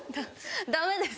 ダメです。